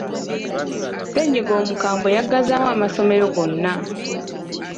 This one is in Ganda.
Ssennyiga omukamwe yaggazaawo amasomero gonna.